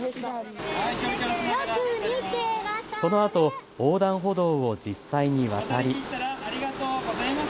このあと横断歩道を実際に渡り。